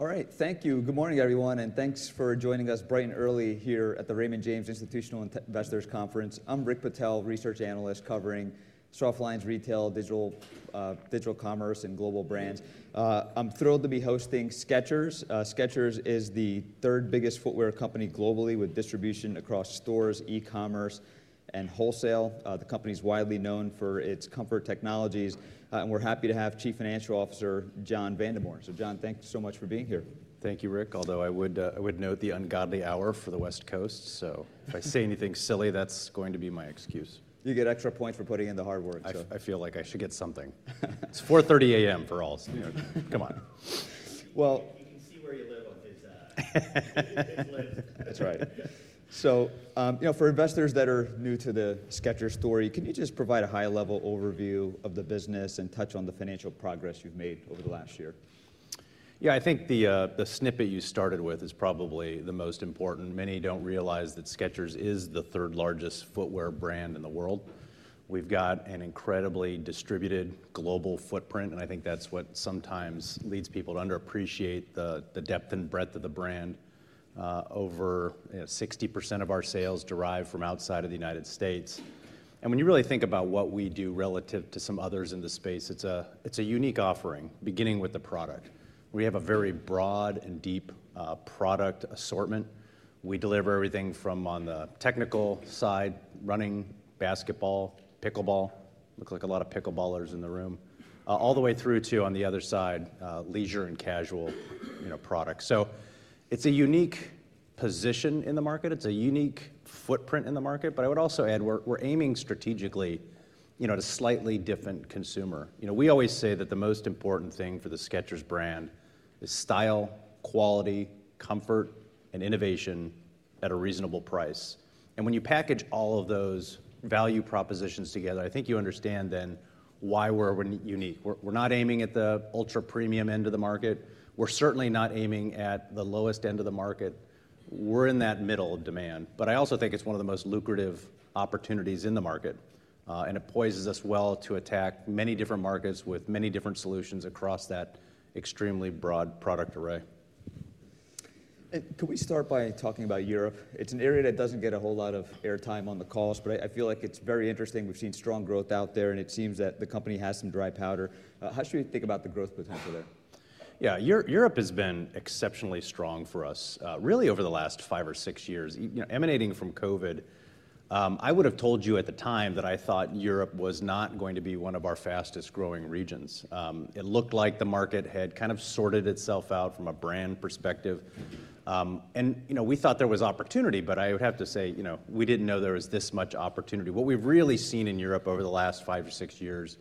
All right, thank you. Good morning, everyone, and thanks for joining us bright and early here at the Raymond James Institutional Investors Conference. I'm Rick Patel, research analyst covering softlines, retail, digital commerce, and global brands. I'm thrilled to be hosting Skechers. Skechers is the third biggest footwear company globally, with distribution across stores, e-commerce, and wholesale. The company is widely known for its comfort technologies, and we're happy to have Chief Financial Officer John Vandemore. So, John, thanks so much for being here. Thank you, Rick, although I would note the ungodly hour for the West Coast, so if I say anything silly, that's going to be my excuse. You get extra points for putting in the hard work, so. I feel like I should get something. It's 4:30 A.M. for all, so come on. Well. You can see where you live on his. That's right. So, you know, for investors that are new to the Skechers story, can you just provide a high-level overview of the business and touch on the financial progress you've made over the last year? Yeah, I think the snippet you started with is probably the most important. Many don't realize that Skechers is the third largest footwear brand in the world. We've got an incredibly distributed global footprint, and I think that's what sometimes leads people to underappreciate the depth and breadth of the brand. Over 60% of our sales derive from outside of the United States. And when you really think about what we do relative to some others in the space, it's a unique offering, beginning with the product. We have a very broad and deep product assortment. We deliver everything from on the technical side, running, basketball, pickleball (looks like a lot of pickleballers in the room), all the way through to, on the other side, leisure and casual products. So it's a unique position in the market. It's a unique footprint in the market. But I would also add we're aiming strategically at a slightly different consumer. We always say that the most important thing for the Skechers brand is style, quality, comfort, and innovation at a reasonable price. And when you package all of those value propositions together, I think you understand then why we're unique. We're not aiming at the ultra-premium end of the market. We're certainly not aiming at the lowest end of the market. We're in that middle of demand. But I also think it's one of the most lucrative opportunities in the market, and it poises us well to attack many different markets with many different solutions across that extremely broad product array. Can we start by talking about Europe? It's an area that doesn't get a whole lot of airtime on the calls, but I feel like it's very interesting. We've seen strong growth out there, and it seems that the company has some dry powder. How should we think about the growth potential there? Yeah, Europe has been exceptionally strong for us, really, over the last five or six years. Emanating from COVID, I would have told you at the time that I thought Europe was not going to be one of our fastest-growing regions. It looked like the market had kind of sorted itself out from a brand perspective. And we thought there was opportunity, but I would have to say we didn't know there was this much opportunity. What we've really seen in Europe over the last five or six years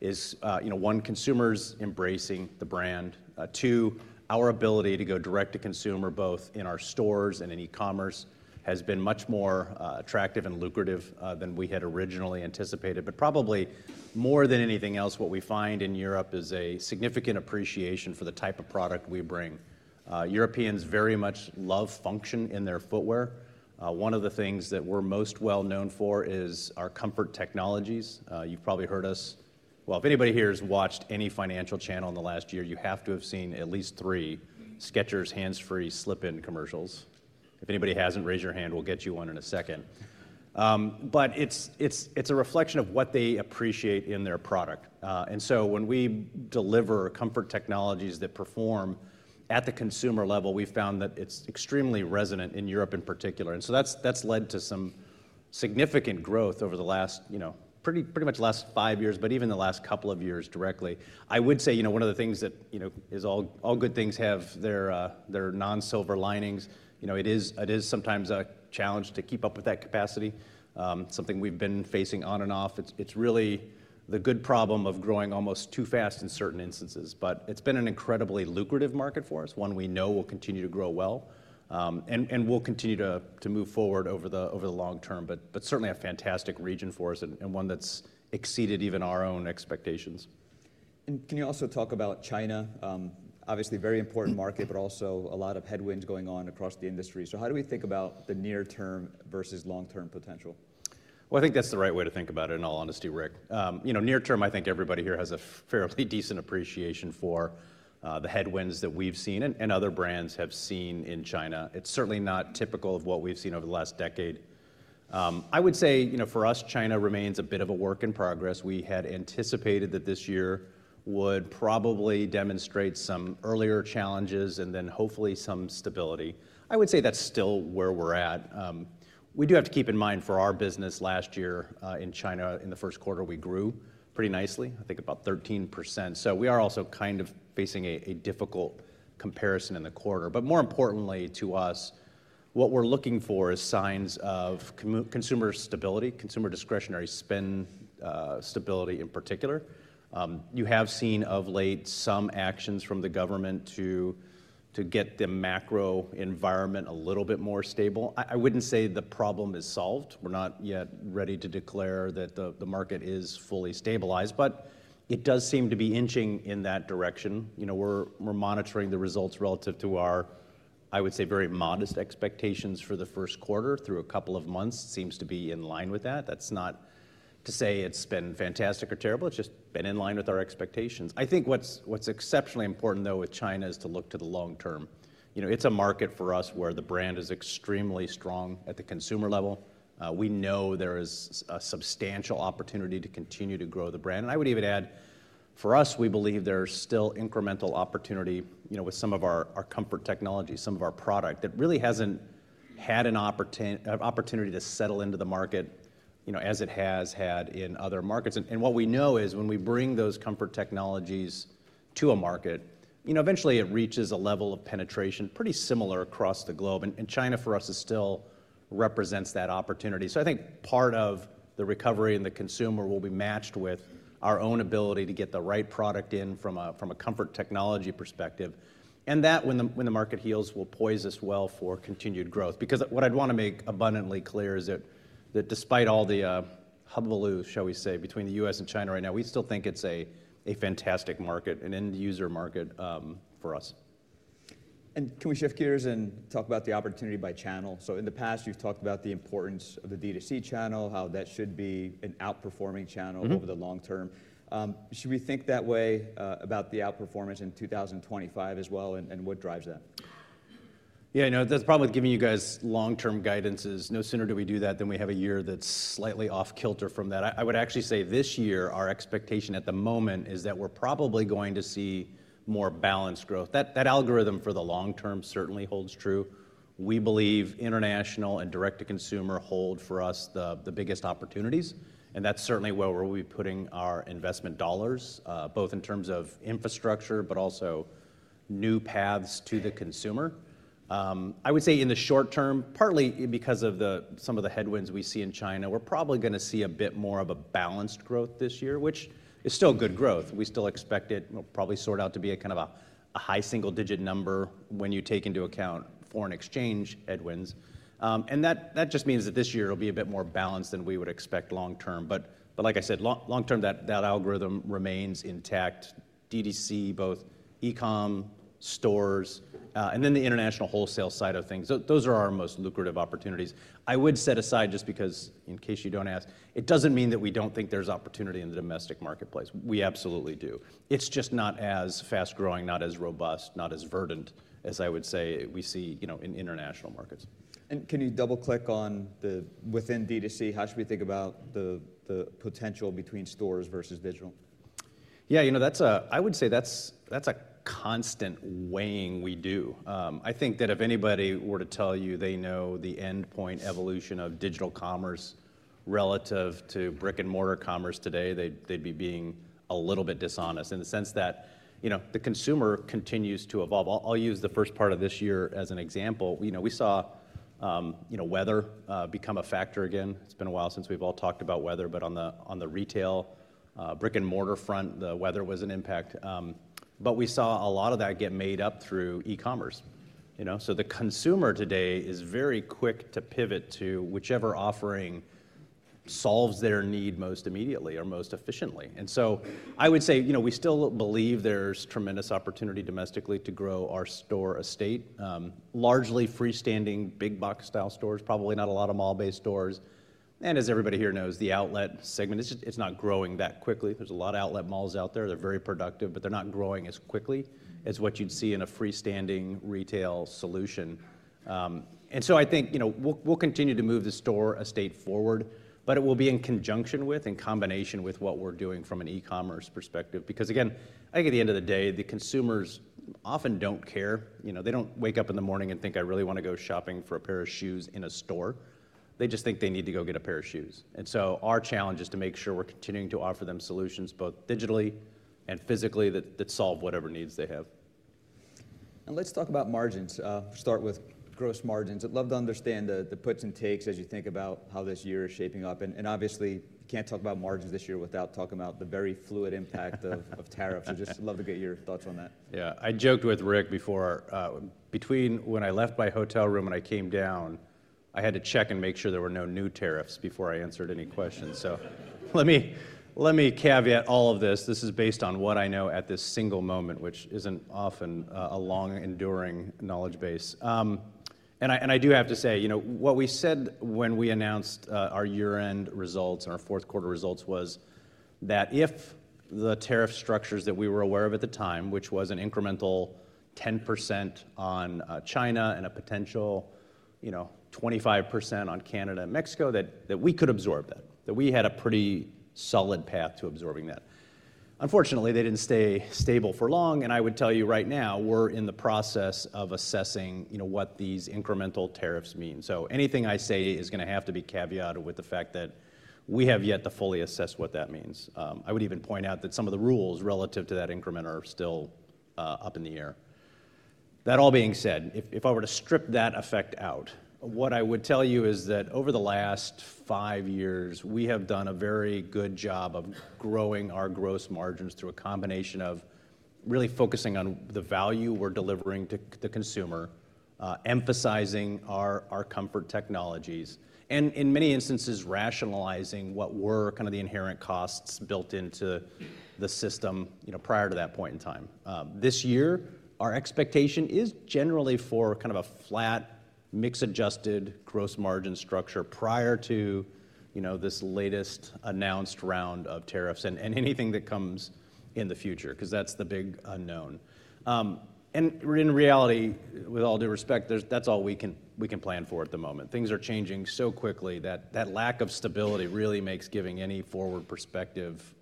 is, one, consumers embracing the brand. Two, our ability to go direct to consumer, both in our stores and in e-commerce, has been much more attractive and lucrative than we had originally anticipated. But probably more than anything else, what we find in Europe is a significant appreciation for the type of product we bring. Europeans very much love function in their footwear. One of the things that we're most well known for is our comfort technologies. You've probably heard us, well, if anybody here has watched any financial channel in the last year, you have to have seen at least three Skechers Hands Free Slip-ins commercials. If anybody hasn't, raise your hand. We'll get you one in a second, but it's a reflection of what they appreciate in their product, and so when we deliver comfort technologies that perform at the consumer level, we've found that it's extremely resonant in Europe in particular, and so that's led to some significant growth over the last, pretty much last five years, but even the last couple of years directly. I would say one of the things that all good things have their non-silver linings. It is sometimes a challenge to keep up with that capacity, something we've been facing on and off. It's really the good problem of growing almost too fast in certain instances. But it's been an incredibly lucrative market for us, one we know will continue to grow well and will continue to move forward over the long term, but certainly a fantastic region for us and one that's exceeded even our own expectations. And can you also talk about China? Obviously, very important market, but also a lot of headwinds going on across the industry. So how do we think about the near-term versus long-term potential? I think that's the right way to think about it, in all honesty, Rick. Near-term, I think everybody here has a fairly decent appreciation for the headwinds that we've seen and other brands have seen in China. It's certainly not typical of what we've seen over the last decade. I would say for us, China remains a bit of a work in progress. We had anticipated that this year would probably demonstrate some earlier challenges and then hopefully some stability. I would say that's still where we're at. We do have to keep in mind for our business, last year in China, in the first quarter, we grew pretty nicely, I think about 13%. So we are also kind of facing a difficult comparison in the quarter. But more importantly to us, what we're looking for is signs of consumer stability, consumer discretionary spend stability in particular. You have seen of late some actions from the government to get the macro environment a little bit more stable. I wouldn't say the problem is solved. We're not yet ready to declare that the market is fully stabilized, but it does seem to be inching in that direction. We're monitoring the results relative to our, I would say, very modest expectations for the first quarter through a couple of months. It seems to be in line with that. That's not to say it's been fantastic or terrible. It's just been in line with our expectations. I think what's exceptionally important, though, with China is to look to the long term. It's a market for us where the brand is extremely strong at the consumer level. We know there is a substantial opportunity to continue to grow the brand. And I would even add, for us, we believe there's still incremental opportunity with some of our comfort technologies, some of our product that really hasn't had an opportunity to settle into the market as it has had in other markets. And what we know is when we bring those comfort technologies to a market, eventually it reaches a level of penetration pretty similar across the globe. And China, for us, still represents that opportunity. So I think part of the recovery in the consumer will be matched with our own ability to get the right product in from a comfort technology perspective. And that, when the market heals, will poise us well for continued growth. Because what I'd want to make abundantly clear is that despite all the hullabaloo, shall we say, between the U.S. and China right now, we still think it's a fantastic market, an end-user market for us. And can we shift gears and talk about the opportunity by channel? So in the past, you've talked about the importance of the D2C channel, how that should be an outperforming channel over the long term. Should we think that way about the outperformance in 2025 as well, and what drives that? Yeah, you know, that's probably giving you guys long-term guidance. As no sooner do we do that than we have a year that's slightly off-kilter from that. I would actually say this year, our expectation at the moment is that we're probably going to see more balanced growth. That algorithm for the long term certainly holds true. We believe international and direct-to-consumer hold for us the biggest opportunities. And that's certainly where we'll be putting our investment dollars, both in terms of infrastructure but also new paths to the consumer. I would say in the short term, partly because of some of the headwinds we see in China, we're probably going to see a bit more of a balanced growth this year, which is still good growth. We still expect it will probably sort out to be a kind of a high single-digit number when you take into account foreign exchange headwinds. And that just means that this year it'll be a bit more balanced than we would expect long term. But like I said, long term, that algorithm remains intact. D2C, both e-comm, stores, and then the international wholesale side of things, those are our most lucrative opportunities. I would set aside, just because in case you don't ask, it doesn't mean that we don't think there's opportunity in the domestic marketplace. We absolutely do. It's just not as fast-growing, not as robust, not as verdant, as I would say we see in international markets. Can you double-click on the win within D2C? How should we think about the potential between stores versus digital? Yeah, you know, I would say that's a constant weighing we do. I think that if anybody were to tell you they know the endpoint evolution of digital commerce relative to brick-and-mortar commerce today, they'd be being a little bit dishonest in the sense that the consumer continues to evolve. I'll use the first part of this year as an example. We saw weather become a factor again. It's been a while since we've all talked about weather, but on the retail brick-and-mortar front, the weather was an impact. But we saw a lot of that get made up through e-commerce. So the consumer today is very quick to pivot to whichever offering solves their need most immediately or most efficiently. And so I would say we still believe there's tremendous opportunity domestically to grow our store estate, largely freestanding big-box-style stores, probably not a lot of mall-based stores. As everybody here knows, the outlet segment, it's not growing that quickly. There's a lot of outlet malls out there. They're very productive, but they're not growing as quickly as what you'd see in a freestanding retail solution. I think we'll continue to move the store estate forward, but it will be in conjunction with, in combination with what we're doing from an e-commerce perspective. Because again, I think at the end of the day, the consumers often don't care. They don't wake up in the morning and think, "I really want to go shopping for a pair of shoes in a store." They just think they need to go get a pair of shoes. Our challenge is to make sure we're continuing to offer them solutions both digitally and physically that solve whatever needs they have. Let's talk about margins. Start with gross margins. I'd love to understand the puts and takes as you think about how this year is shaping up. Obviously, you can't talk about margins this year without talking about the very fluid impact of tariffs. I'd just love to get your thoughts on that. Yeah, I joked with Rick before between when I left my hotel room and I came down, I had to check and make sure there were no new tariffs before I answered any questions. So let me caveat all of this. This is based on what I know at this single moment, which isn't often a long, enduring knowledge base. And I do have to say, what we said when we announced our year-end results and our fourth-quarter results was that if the tariff structures that we were aware of at the time, which was an incremental 10% on China and a potential 25% on Canada and Mexico, that we could absorb that, that we had a pretty solid path to absorbing that. Unfortunately, they didn't stay stable for long. And I would tell you right now, we're in the process of assessing what these incremental tariffs mean. So anything I say is going to have to be caveated with the fact that we have yet to fully assess what that means. I would even point out that some of the rules relative to that increment are still up in the air. That all being said, if I were to strip that effect out, what I would tell you is that over the last five years, we have done a very good job of growing our gross margins through a combination of really focusing on the value we're delivering to the consumer, emphasizing our comfort technologies, and in many instances, rationalizing what were kind of the inherent costs built into the system prior to that point in time. This year, our expectation is generally for kind of a flat, mix-adjusted gross margin structure prior to this latest announced round of tariffs and anything that comes in the future, because that's the big unknown. And in reality, with all due respect, that's all we can plan for at the moment. Things are changing so quickly that that lack of stability really makes giving any forward perspective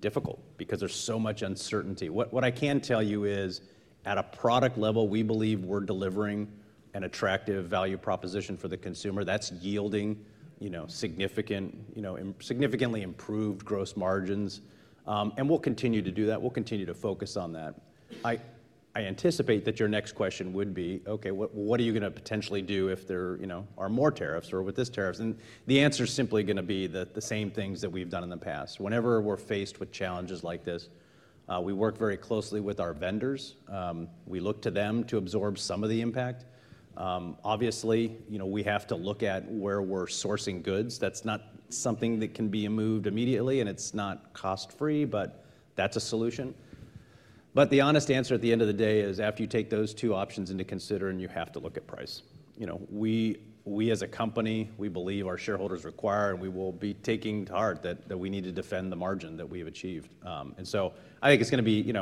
difficult because there's so much uncertainty. What I can tell you is at a product level, we believe we're delivering an attractive value proposition for the consumer that's yielding significantly improved gross margins. And we'll continue to do that. We'll continue to focus on that. I anticipate that your next question would be, "OK, what are you going to potentially do if there are more tariffs or with this tariffs?" And the answer is simply going to be the same things that we've done in the past. Whenever we're faced with challenges like this, we work very closely with our vendors. We look to them to absorb some of the impact. Obviously, we have to look at where we're sourcing goods. That's not something that can be moved immediately, and it's not cost-free, but that's a solution. But the honest answer at the end of the day is after you take those two options into consideration, you have to look at price. We, as a company, we believe our shareholders require, and we will be taking to heart that we need to defend the margin that we've achieved. And so I think it's going to be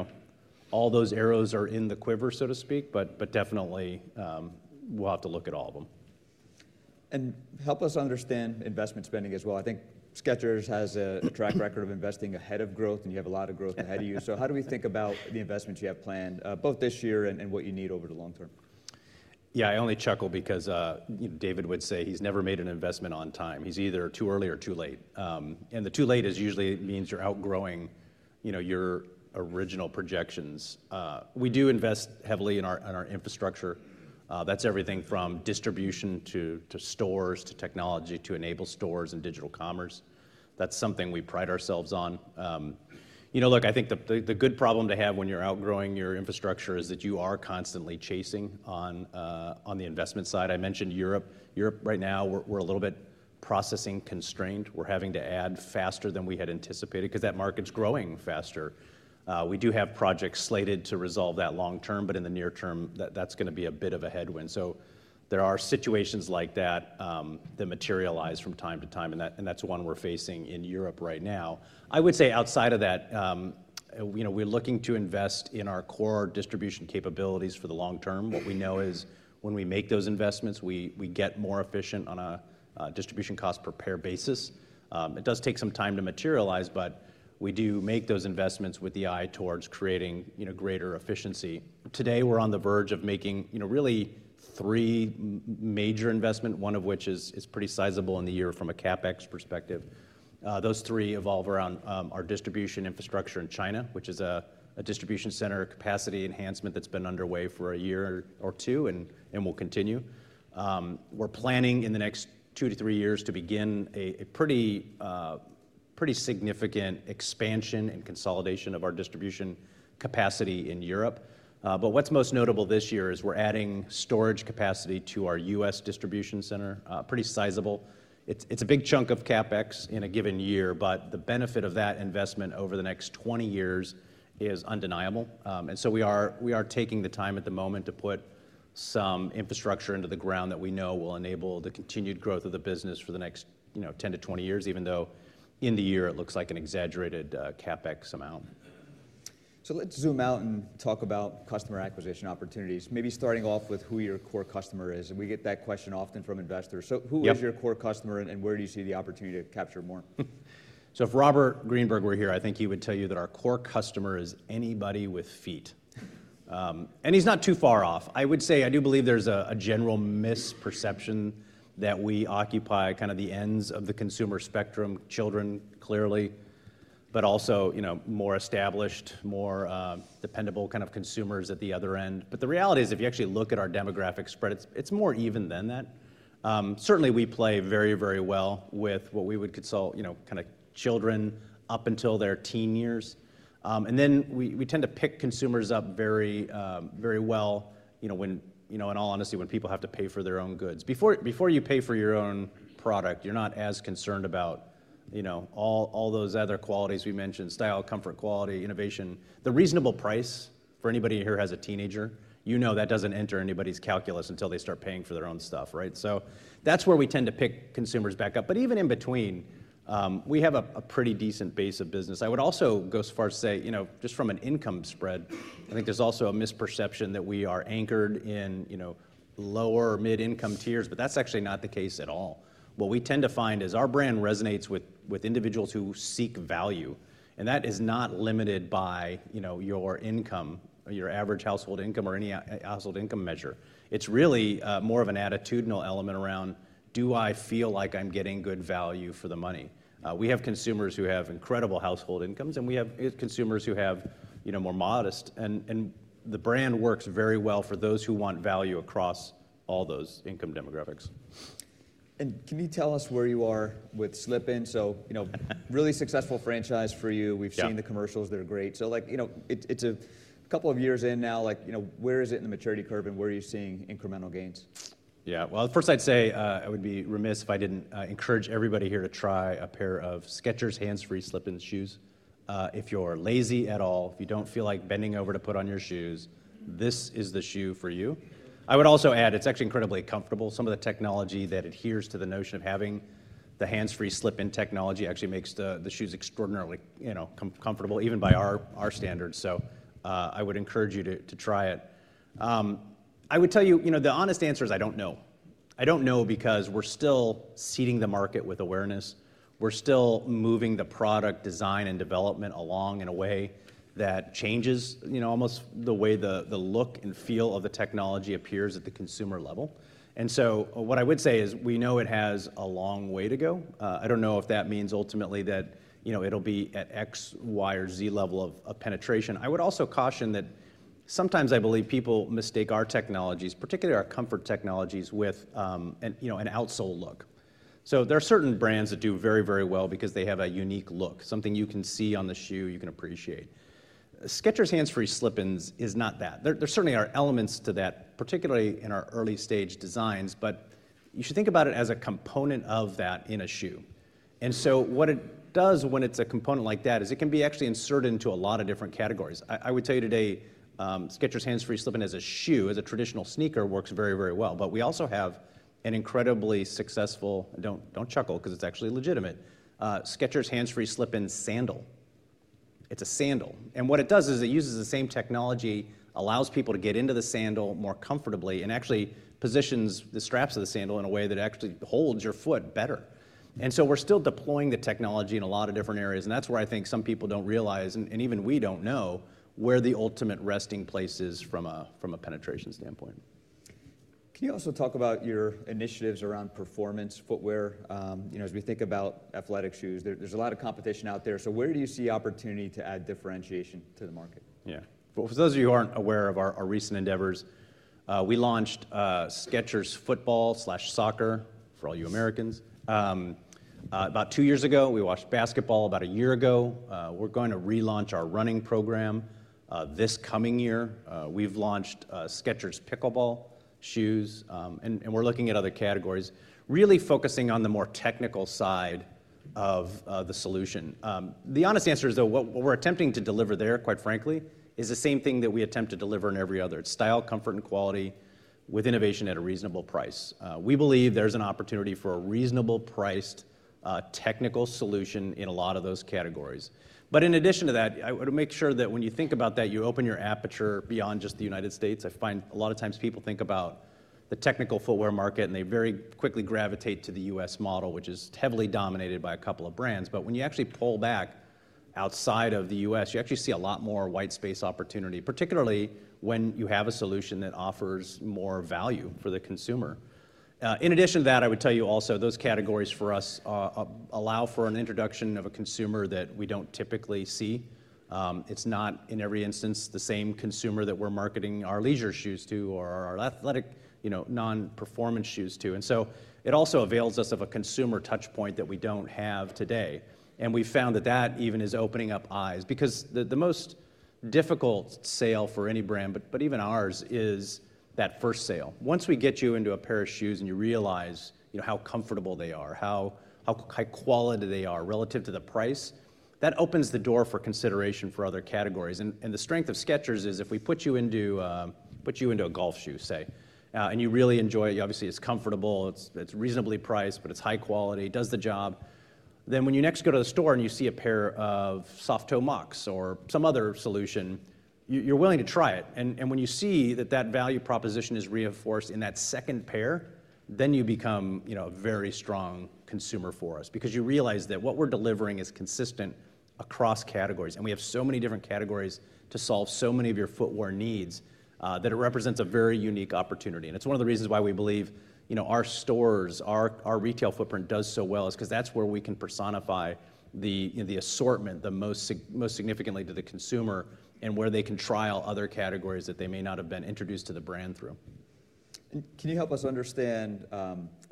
all those arrows are in the quiver, so to speak, but definitely we'll have to look at all of them. And help us understand investment spending as well. I think Skechers has a track record of investing ahead of growth, and you have a lot of growth ahead of you. So how do we think about the investments you have planned, both this year and what you need over the long term? Yeah, I only chuckle because David would say he's never made an investment on time. He's either too early or too late, and the too late usually means you're outgrowing your original projections. We do invest heavily in our infrastructure. That's everything from distribution to stores to technology to enable stores and digital commerce. That's something we pride ourselves on. You know, look, I think the good problem to have when you're outgrowing your infrastructure is that you are constantly chasing on the investment side. I mentioned Europe. Europe right now, we're a little bit processing constrained. We're having to add faster than we had anticipated because that market's growing faster. We do have projects slated to resolve that long term, but in the near term, that's going to be a bit of a headwind. So there are situations like that that materialize from time to time, and that's one we're facing in Europe right now. I would say outside of that, we're looking to invest in our core distribution capabilities for the long term. What we know is when we make those investments, we get more efficient on a distribution cost per pair basis. It does take some time to materialize, but we do make those investments with the eye towards creating greater efficiency. Today, we're on the verge of making really three major investments, one of which is pretty sizable in the year from a CapEx perspective. Those three evolve around our distribution infrastructure in China, which is a distribution center capacity enhancement that's been underway for a year or two and will continue. We're planning in the next two to three years to begin a pretty significant expansion and consolidation of our distribution capacity in Europe. But what's most notable this year is we're adding storage capacity to our U.S. distribution center, pretty sizable. It's a big chunk of CapEx in a given year, but the benefit of that investment over the next 20 years is undeniable. And so we are taking the time at the moment to put some infrastructure into the ground that we know will enable the continued growth of the business for the next 10-20 years, even though in the year it looks like an exaggerated CapEx amount. So let's zoom out and talk about customer acquisition opportunities, maybe starting off with who your core customer is. And we get that question often from investors. So who is your core customer, and where do you see the opportunity to capture more? If Robert Greenberg were here, I think he would tell you that our core customer is anybody with feet. And he's not too far off. I would say I do believe there's a general misperception that we occupy kind of the ends of the consumer spectrum, children clearly, but also more established, more dependable kind of consumers at the other end. But the reality is if you actually look at our demographic spread, it's more even than that. Certainly, we play very, very well with what we would consider kind of children up until their teen years. And then we tend to pick consumers up very well when, in all honesty, when people have to pay for their own goods. Before you pay for your own product, you're not as concerned about all those other qualities we mentioned: style, comfort, quality, innovation. The reasonable price for anybody here who has a teenager, you know that doesn't enter anybody's calculus until they start paying for their own stuff, right? So that's where we tend to pick consumers back up. But even in between, we have a pretty decent base of business. I would also go so far as to say just from an income spread, I think there's also a misperception that we are anchored in lower or mid-income tiers, but that's actually not the case at all. What we tend to find is our brand resonates with individuals who seek value. And that is not limited by your income, your average household income, or any household income measure. It's really more of an attitudinal element around, do I feel like I'm getting good value for the money? We have consumers who have incredible household incomes, and we have consumers who have more modest. And the brand works very well for those who want value across all those income demographics. And can you tell us where you are with Slip-ins? So really successful franchise for you. We've seen the commercials. They're great. So it's a couple of years in now. Where is it in the maturity curve, and where are you seeing incremental gains? Yeah, well, first I'd say I would be remiss if I didn't encourage everybody here to try a pair of Skechers Hands Free Slip-ins. If you're lazy at all, if you don't feel like bending over to put on your shoes, this is the shoe for you. I would also add it's actually incredibly comfortable. Some of the technology that adheres to the notion of having the Hands Free Slip-ins technology actually makes the shoes extraordinarily comfortable, even by our standards. So I would encourage you to try it. I would tell you the honest answer is I don't know. I don't know because we're still seeding the market with awareness. We're still moving the product design and development along in a way that changes almost the way the look and feel of the technology appears at the consumer level. What I would say is we know it has a long way to go. I don't know if that means ultimately that it'll be at X, Y, or Z level of penetration. I would also caution that sometimes I believe people mistake our technologies, particularly our comfort technologies, with an outsole look. There are certain brands that do very, very well because they have a unique look, something you can see on the shoe, you can appreciate. Skechers Hands Free Slip-ins is not that. There certainly are elements to that, particularly in our early-stage designs, but you should think about it as a component of that in a shoe. What it does when it's a component like that is it can be actually inserted into a lot of different categories. I would tell you today, Skechers Hands Free Slip-ins as a shoe, as a traditional sneaker, works very, very well, but we also have an incredibly successful (don't chuckle because it's actually legitimate) Skechers Hands Free Slip-ins sandal. It's a sandal, and what it does is it uses the same technology, allows people to get into the sandal more comfortably, and actually positions the straps of the sandal in a way that actually holds your foot better, and so we're still deploying the technology in a lot of different areas, and that's where I think some people don't realize, and even we don't know, where the ultimate resting place is from a penetration standpoint. Can you also talk about your initiatives around performance footwear? As we think about athletic shoes, there's a lot of competition out there. So where do you see opportunity to add differentiation to the market? Yeah, for those of you who aren't aware of our recent endeavors, we launched Skechers Football/soccer for all you Americans about two years ago. We launched Basketball about a year ago. We're going to relaunch our running program this coming year. We've launched Skechers Pickleball shoes, and we're looking at other categories, really focusing on the more technical side of the solution. The honest answer is, though, what we're attempting to deliver there, quite frankly, is the same thing that we attempt to deliver in every other: style, comfort, and quality with innovation at a reasonable price. We believe there's an opportunity for a reasonably priced technical solution in a lot of those categories. But in addition to that, I would make sure that when you think about that, you open your aperture beyond just the United States. I find a lot of times people think about the technical footwear market, and they very quickly gravitate to the U.S. model, which is heavily dominated by a couple of brands. But when you actually pull back outside of the U.S., you actually see a lot more white space opportunity, particularly when you have a solution that offers more value for the consumer. In addition to that, I would tell you also those categories for us allow for an introduction of a consumer that we don't typically see. It's not in every instance the same consumer that we're marketing our leisure shoes to or our athletic non-performance shoes to. And so it also avails us of a consumer touchpoint that we don't have today. And we found that that even is opening up eyes because the most difficult sale for any brand, but even ours, is that first sale. Once we get you into a pair of shoes and you realize how comfortable they are, how high quality they are relative to the price, that opens the door for consideration for other categories. And the strength of Skechers is if we put you into a golf shoe, say, and you really enjoy it, obviously it's comfortable, it's reasonably priced, but it's high quality, does the job, then when you next go to the store and you see a pair of soft toe mocs or some other solution, you're willing to try it. And when you see that that value proposition is reinforced in that second pair, then you become a very strong consumer for us because you realize that what we're delivering is consistent across categories. And we have so many different categories to solve so many of your footwear needs that it represents a very unique opportunity. It's one of the reasons why we believe our stores, our retail footprint does so well is because that's where we can personify the assortment the most significantly to the consumer and where they can trial other categories that they may not have been introduced to the brand through. Can you help us understand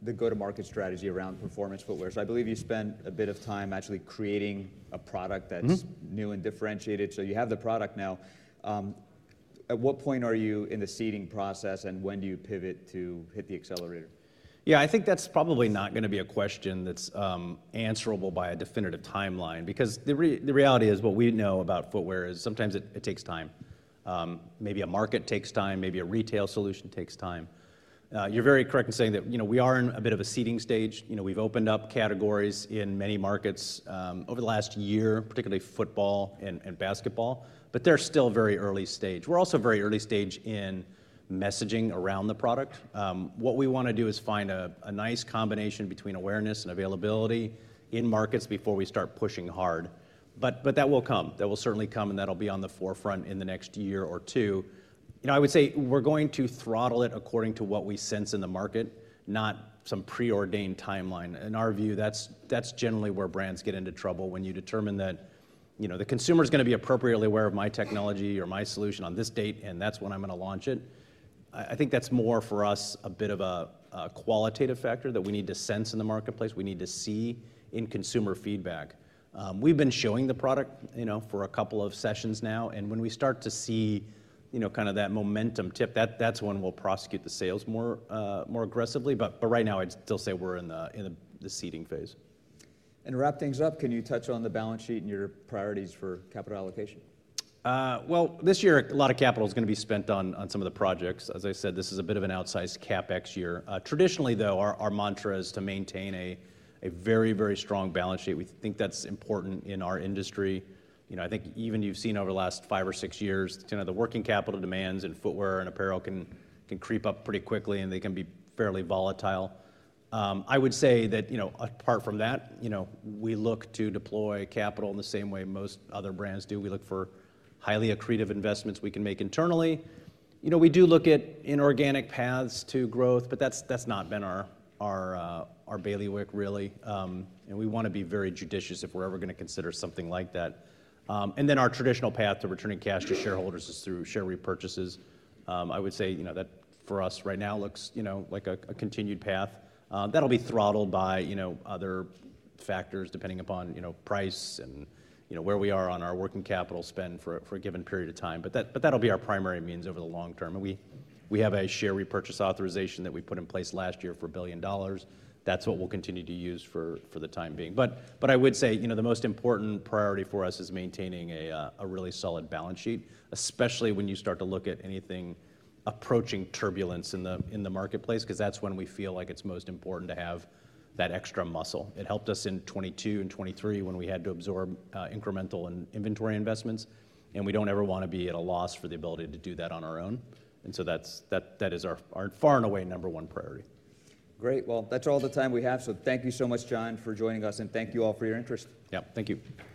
the go-to-market strategy around performance footwear? So I believe you spent a bit of time actually creating a product that's new and differentiated. So you have the product now. At what point are you in the seeding process, and when do you pivot to hit the accelerator? Yeah, I think that's probably not going to be a question that's answerable by a definitive timeline because the reality is what we know about footwear is sometimes it takes time. Maybe a market takes time. Maybe a retail solution takes time. You're very correct in saying that we are in a bit of a seeding stage. We've opened up categories in many markets over the last year, particularly football and basketball, but they're still very early stage. We're also very early stage in messaging around the product. What we want to do is find a nice combination between awareness and availability in markets before we start pushing hard. But that will come. That will certainly come, and that'll be on the forefront in the next year or two. I would say we're going to throttle it according to what we sense in the market, not some preordained timeline. In our view, that's generally where brands get into trouble when you determine that the consumer is going to be appropriately aware of my technology or my solution on this date, and that's when I'm going to launch it. I think that's more for us a bit of a qualitative factor that we need to sense in the marketplace. We need to see in consumer feedback. We've been showing the product for a couple of sessions now. And when we start to see kind of that momentum tip, that's when we'll prosecute the sales more aggressively. But right now, I'd still say we're in the seeding phase. To wrap things up, can you touch on the balance sheet and your priorities for capital allocation? This year, a lot of capital is going to be spent on some of the projects. As I said, this is a bit of an outsized CapEx year. Traditionally, though, our mantra is to maintain a very, very strong balance sheet. We think that's important in our industry. I think even you've seen over the last five or six years, the working capital demands in footwear and apparel can creep up pretty quickly, and they can be fairly volatile. I would say that apart from that, we look to deploy capital in the same way most other brands do. We look for highly accretive investments we can make internally. We do look at inorganic paths to growth, but that's not been our bailiwick, really. And we want to be very judicious if we're ever going to consider something like that. And then our traditional path to returning cash to shareholders is through share repurchases. I would say that for us right now looks like a continued path. That'll be throttled by other factors depending upon price and where we are on our working capital spend for a given period of time. But that'll be our primary means over the long term. And we have a share repurchase authorization that we put in place last year for $1 billion. That's what we'll continue to use for the time being. But I would say the most important priority for us is maintaining a really solid balance sheet, especially when you start to look at anything approaching turbulence in the marketplace because that's when we feel like it's most important to have that extra muscle. It helped us in 2022 and 2023 when we had to absorb incremental inventory investments. And we don't ever want to be at a loss for the ability to do that on our own. And so that is our far and away number one priority. Great. Well, that's all the time we have. So thank you so much, John, for joining us. And thank you all for your interest. Yeah, thank you.